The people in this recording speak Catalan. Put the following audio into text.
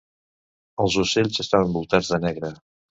Els ocels estan envoltats de negre.